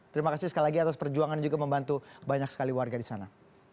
terima kasih sekali lagi atas perjuangan juga membantu banyak sekali warga di sana